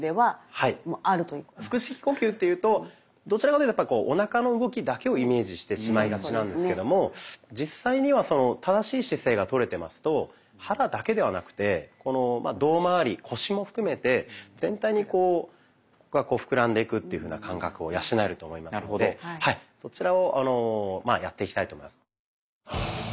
腹式呼吸というとどちらかというとおなかの動きだけをイメージしてしまいがちなんですけども実際には正しい姿勢がとれてますと腹だけではなくて胴まわり腰も含めて全体にこう膨らんでいくっていうふうな感覚を養えると思いますのでそちらをやっていきたいと思います。